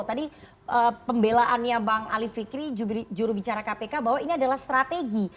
tadi pembelaannya bang alif fikri juru bicara kpk bahwa ini adalah strategi